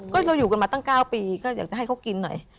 ก็เราอยู่กันมาตั้ง๙ปีก็อยากจะให้เขากินหน่อย